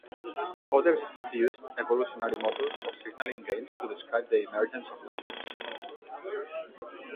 Others have used evolutionary models of signaling games to describe the emergence of language.